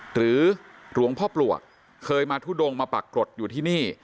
หรือหลวงพ่อปลวกเคยมาทุดงมาปรากฏอยู่ที่นี่